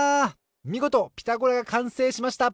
みごと「ピタゴラ」がかんせいしました